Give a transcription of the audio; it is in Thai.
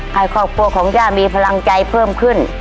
ให้ครอบครัวของย่ามีพลังใจเพิ่มขึ้น